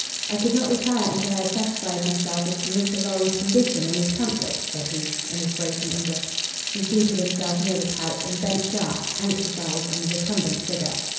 "I could not retire until I had satisfied myself as to Mr. Lorry's condition and his comfort," said he, in his broken English. He seated himself near the couch and bent sharp, anxious eyes on the recumbent figure.